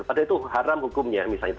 padahal itu haram hukumnya misalnya